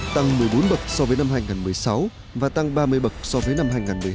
tăng một mươi bốn bậc so với năm hai nghìn một mươi sáu và tăng ba mươi bậc so với năm hai nghìn một mươi tám